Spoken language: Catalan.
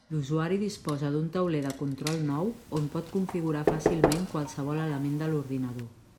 L'usuari disposa d'un tauler de control nou on pot configurar fàcilment qualsevol element de l'ordinador.